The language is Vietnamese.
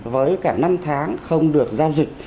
với cả năm tháng không được giao dịch